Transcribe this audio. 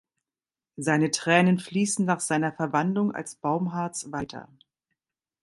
Seine Tränen fließen nach seiner Verwandlung als Baumharz weiter.